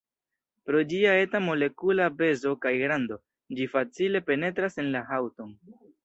Pro ĝia eta molekula pezo kaj grando, ĝi facile penetras en la haŭton.